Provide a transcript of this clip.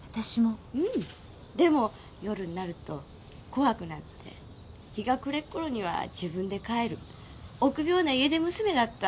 うんでも夜になると怖くなって日が暮れっころには自分で帰る臆病な家出娘だった。